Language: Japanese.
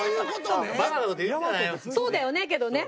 そうだよねけどね。